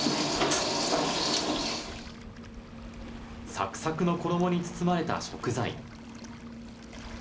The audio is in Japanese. さくさくの衣に包まれた食材。